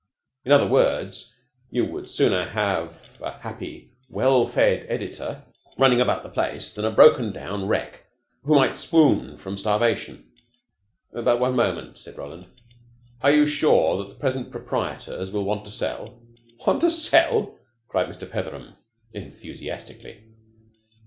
In other words, you would sooner have a happy, well fed editor running about the place than a broken down wreck who might swoon from starvation?" "But one moment," said Roland. "Are you sure that the present proprietors will want to sell?" "Want to sell," cried Mr. Petheram enthusiastically.